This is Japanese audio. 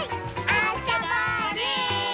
あそぼうね！